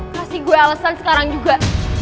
kasih gue alasan sekarang juga